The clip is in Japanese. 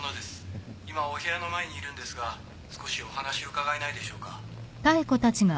今お部屋の前にいるんですが少しお話伺えないでしょうか？